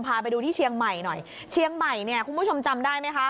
พาไปดูที่เชียงใหม่หน่อยเชียงใหม่เนี่ยคุณผู้ชมจำได้ไหมคะ